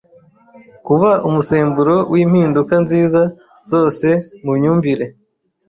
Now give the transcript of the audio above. Kuba umusemburo w’impinduka nziza zose mu myumvire,